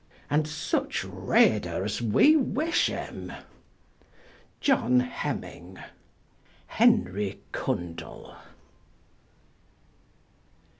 And such Readers we wish him. JOHN HEMINGE HENRIE CONDELL.